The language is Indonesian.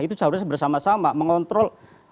itu seharusnya bersama sama mengontrol